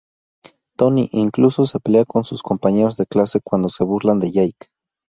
Tony incluso se pelea con sus compañeros de clase cuando se burlan de Jake.